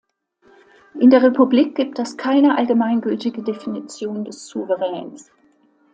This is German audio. In der Republik gibt es keine allgemeingültige Definition des Souveräns.